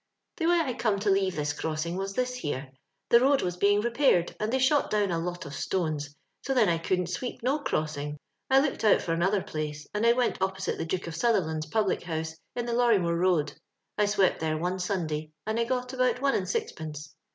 "The way I come to leave this crossing was this here : the road was being repaired, and they shot down a lot of stones, so then I couldn't sweep no crossing. I looked out for another place, and I went opposite the Duke of Sutherland public house in the Lorrimore road. I swept there one Sunday, and I got about one and sixpence.